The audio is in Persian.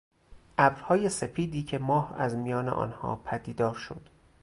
ابرهای سپیدی که ماه از میان آنها پدیدار شد